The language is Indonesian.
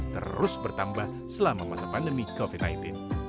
terus bertambah selama masa pandemi covid sembilan belas